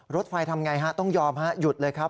รถไฟทำไงฮะต้องยอมฮะหยุดเลยครับ